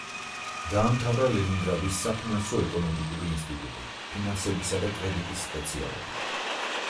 დაამთავრა ლენინგრადის საფინანსო-ეკონომიკური ინსტიტუტი, ფინანსებისა და კრედიტის სპეციალობით.